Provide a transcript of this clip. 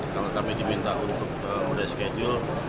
kalau kami diminta untuk mudah reskijul